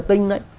tự tin đấy